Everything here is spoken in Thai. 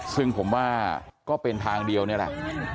ซึ่งผมว่าก็เป็นทางเดียวนี่แหละ